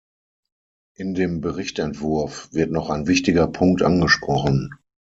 In dem Berichtentwurf wird noch ein wichtiger Punkt angesprochen.